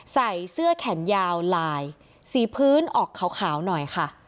ใส่เสื้อแขนยาวลายสีพื้นออกขาวหน่อยค่ะ